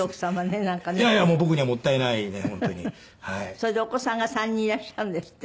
それでお子さんが３人いらっしゃるんですって？